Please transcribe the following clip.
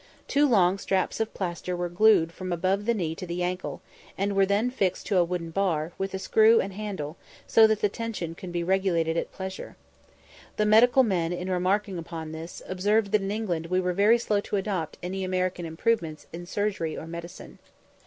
Two long straps of plaister were glued from above the knee to the ankle, and were then fixed to a wooden bar, with a screw and handle, so that the tension could be regulated at pleasure. The medical men, in remarking upon this, observed that in England we were very slow to adopt any American improvements in surgery or medicine.